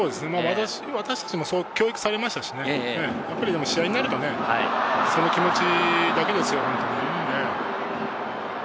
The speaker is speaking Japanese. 私たちもそう教育されましたし、試合になるぞ、その気持ちだけですよ、本当に。